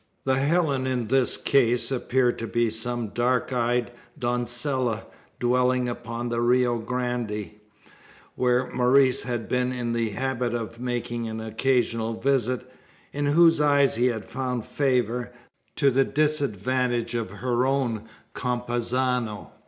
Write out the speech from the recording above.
The Helen in this case appeared to be some dark eyed doncella dwelling upon the Rio Grande, where Maurice had been in the habit of making an occasional visit, in whose eyes he had found favour, to the disadvantage of her own conpaisano.